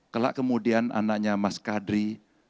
kelak kemudian anaknya mas kadri